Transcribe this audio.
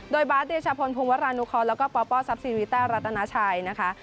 โดยบาสเดชาพลภูมิวัตรรานุคอลแล้วก็ป๊อปป้อซับซีรีต้ารัตนาชัยนะคะ